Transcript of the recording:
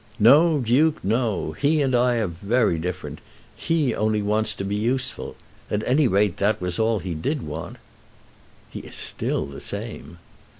"No, Duke, no! He and I are very different. He only wants to be useful. At any rate, that was all he did want." "He is still the same."